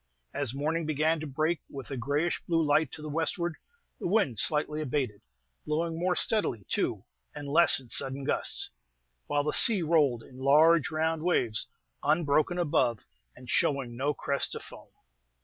As morning began to break with a grayish blue light to the westward, the wind slightly abated, blowing more steadily, too, and less in sudden gusts; while the sea rolled in large round waves, unbroken above, and showing no crest of foam.